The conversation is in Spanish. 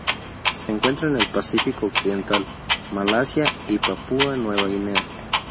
Se encuentra en el Pacífico occidental: Malasia y Papúa Nueva Guinea.